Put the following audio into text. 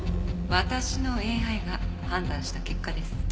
私のＡＩが判断した結果です。